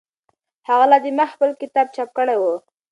هغه لا دمخه خپل کتاب چاپ کړی و.